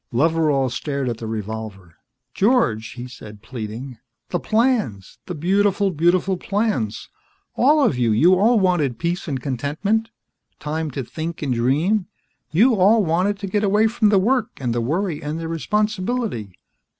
Loveral stared at the revolver. "George," he said, pleading. "The plans. The beautiful, beautiful plans. All of you, you all wanted peace and contentment. Time to think and dream. You all wanted to get away from the work and the worry and the responsibility.